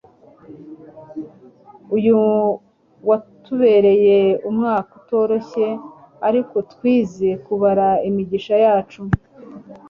Uyu watubereye umwaka utoroshye ariko twize kubara imigisha yacu